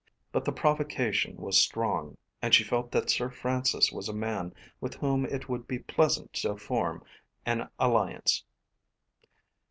But the provocation was strong; and she felt that Sir Francis was a man with whom it would be pleasant to form an alliance.